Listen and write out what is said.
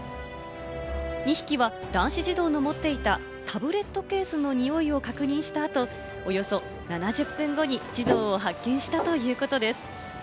２匹は男子児童の持っていたタブレットケースのにおいを確認した後、およそ７０分後に児童を発見したということです。